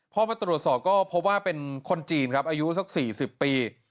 พอมาตรวจสอบก็พบว่าเป็นคนจีนครับอายุสัก๔๐ปี